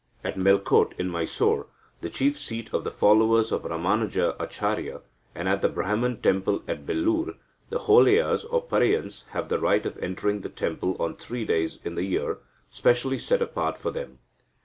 At Melkote in Mysore, the chief seat of the followers of Ramanuja Acharya, and at the Brahman temple at Belur, the Holeyas or Pareyans have the right of entering the temple on three days in the year, specially set apart for them."